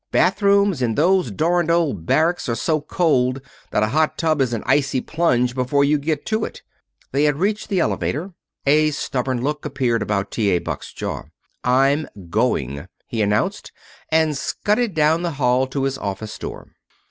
Bathrooms in those darned old barracks are so cold that a hot tub is an icy plunge before you get to it." They had reached the elevator. A stubborn look appeared about T. A. Buck's jaw. "I'm going!" he announced, and scudded down the hail to his office door.